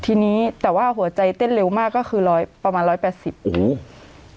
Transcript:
ทีนี้แต่ว่าหัวใจเต้นเร็วมากก็คือร้อยประมาณร้อยแปดสิบโอ้โห